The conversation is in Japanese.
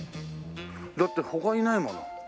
だって他いないもの。